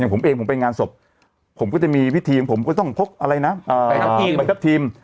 ผมเองผมไปงานศพผมก็จะมีวิธีผมก็ต้องพกอะไรนะไปทับทีม